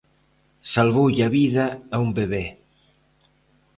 Salvoulle a vida a un bebé.